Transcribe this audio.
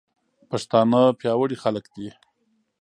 پښتانه پياوړي خلک دي.